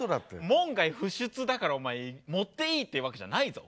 門外不出だからお前盛っていいってわけじゃないぞ。